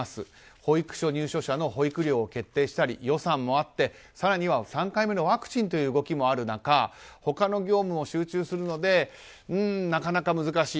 保育所入所者の保育料を決定したり予算もあって、更には３回目のワクチンという動きもある中他の業務も集中するのでなかなか難しい。